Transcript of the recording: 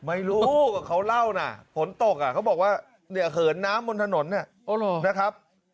ไม่รู้เขาเล่านะผลตกอ่ะเขาบอกว่าเหินน้ำบนถนนเนี่ยนะครับ